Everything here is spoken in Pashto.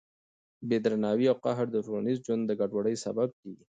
بې درناوي او قهر د ټولنیز ژوند د ګډوډۍ سبب کېږي.